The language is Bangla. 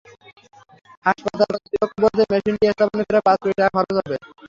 হাসপাতাল কর্তৃপক্ষ বলছে, মেশিনটি স্থাপনে প্রায় পাঁচ কোটি টাকা খরচ হবে।